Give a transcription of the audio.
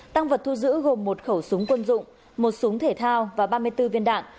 tăng vật thu giữ gồm một khẩu súng quân dụng một súng thể thao và ba mươi bốn viên đạn